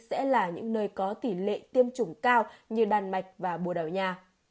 sẽ là những nơi có tỷ lệ tiêm chủng cao như đan mạch và bùa đảo nha